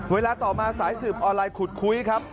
เวลาต่อมาสายสืบออนไลน์ขุดคุยครับ